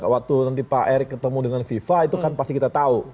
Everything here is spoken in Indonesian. waktu nanti pak erick ketemu dengan fifa itu kan pasti kita tahu